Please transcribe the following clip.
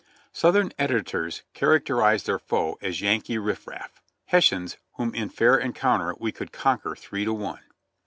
Southern editors characterized their foe as "Yankee riff raff," "Hessians, whom in fair encounter we could conquer three to one."